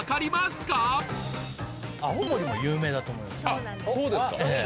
そうなんです